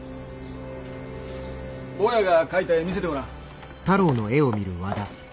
坊やが描いた絵見せてごらん。